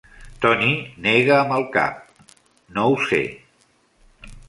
Tony nega amb el cap; no ho sé.